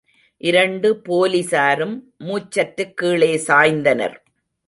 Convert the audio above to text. இரண்டு போலிஸாரும் மூச்சற்றுக் கீழே சாய்ந்தனர்.